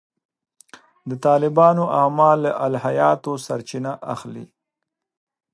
د طالبانو اعمال له الهیاتو سرچینه اخلي.